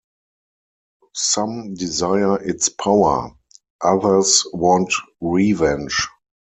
Some desire its power, others want revenge.